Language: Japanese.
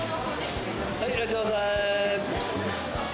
はい、いらっしゃいませー。